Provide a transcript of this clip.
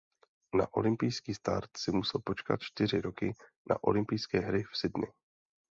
Na olympijský start si musel počkat čtyři roky na olympijské hry v Sydney.